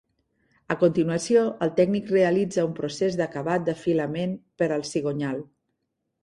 A continuació el tècnic realitza un procés d'acabat d'afilament per al cigonyal.